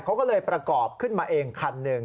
เขาก็เลยประกอบขึ้นมาเองคันหนึ่ง